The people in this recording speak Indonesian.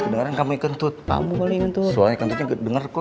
kedengeran kamu kentut kamu kali ngetut suara kentutnya kedenger kok